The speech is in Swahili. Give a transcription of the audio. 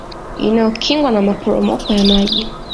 Inayokingwa na maporomoko ya maji